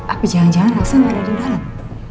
apa jangan jangan rasa gak ada di dalam